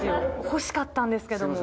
欲しかったんですけども。